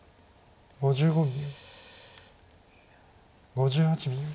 ５８秒。